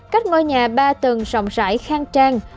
cách ngôi nhà ba tầng rộng rãi khang trang